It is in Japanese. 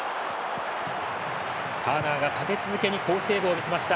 ターナーが立て続けに好セーブを見せました。